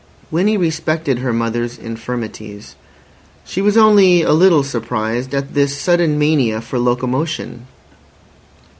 Winnie respected her mother's infirmities. She was only a little surprised at this sudden mania for locomotion.